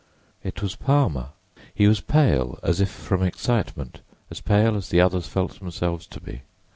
It was Palmer. He was pale, as if from excitement—as pale as the others felt themselves to be.